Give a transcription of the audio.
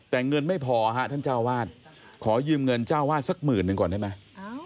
แต่เงินไม่พอฮะท่านเจ้าวาดขอยืมเงินเจ้าวาดสักหมื่นหนึ่งก่อนได้ไหม